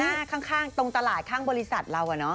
หน้าข้างตรงตลาดข้างบริษัทเราน่ะนะ